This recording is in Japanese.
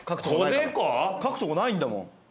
書くとこないんだもん。